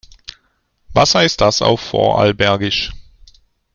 Was heißt das auf Vorarlbergisch?